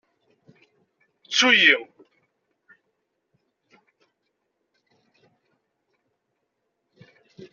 Ttu-iyi.